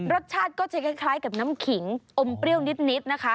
รสชาติก็จะคล้ายกับน้ำขิงอมเปรี้ยวนิดนะคะ